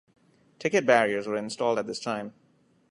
Ticket barriers were installed at this time.